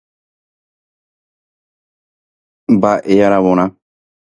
Mba'e aravorã.